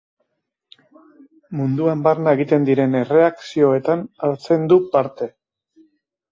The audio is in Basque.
Munduan barna egiten diren errekreazioetan hartzen du parte.